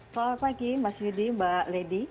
selamat pagi mbak sidi mbak ledi